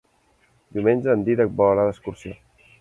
Diumenge en Dídac vol anar d'excursió.